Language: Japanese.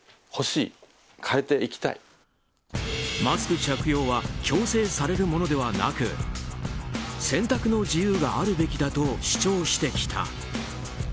マスク着用は強制されるものではなく選択の自由があるべきだと主張してきた。